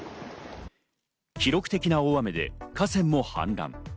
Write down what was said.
記録的な大雨で河川も氾濫。